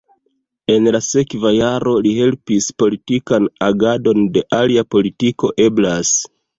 En la sekva jaro li helpis politikan agadon de Alia Politiko Eblas.